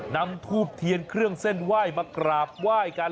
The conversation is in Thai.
นำทูบเทียนเครื่องเส้นไหว้มากราบไหว้กัน